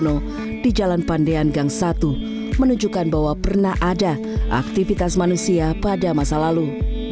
yang di jalan pandean gang satu menunjukkan bahwa pernah ada aktivitas manusia pada masa lalu